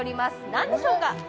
何でしょうか？